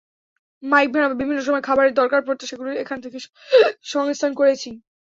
Mic ভাড়া, বিভিন্ন সময় খাবারের দরকার পড়ত, সেগুলো এখান থেকে সংস্থান করেছি।